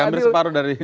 hampir separuh dari